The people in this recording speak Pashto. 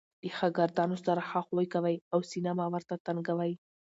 له ښاګردانو سره ښه خوي کوئ! او سینه مه ور ته تنګوئ!